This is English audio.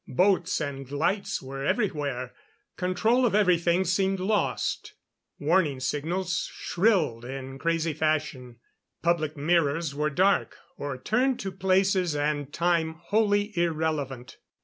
Boats and lights were everywhere. Control of everything seemed lost. Warning signals shrilled in crazy fashion. Public mirrors were dark, or turned to places and time wholly irrelevant.